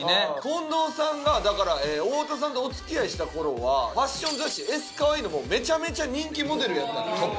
近藤さんがだから太田さんとお付き合いした頃はファッション雑誌『ＳＣａｗａｉｉ！』のもうめちゃめちゃ人気モデルやったんでしょ？